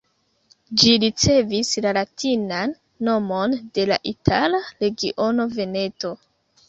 Ĝi ricevis la latinan nomon de la itala regiono Veneto.